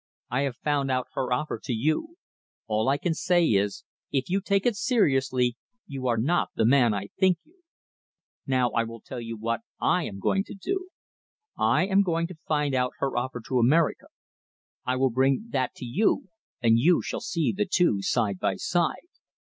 I have found out her offer to you. All I can say is, if you take it seriously you are not the man I think you. Now I will tell you what I am going to do. I am going to find out her offer to America. I will bring that to you, and you shall see the two side by side.